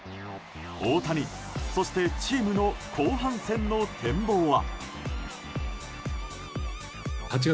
大谷、そしてチームの後半戦の展望は。